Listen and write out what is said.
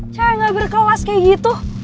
cewek gak berkelas kayak gitu